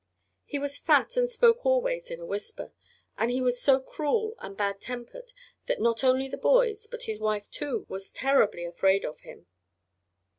He was fat and spoke always in a whisper, and he was so cruel and bad tempered that not only the boys, but his wife, too, was terribly afraid of him.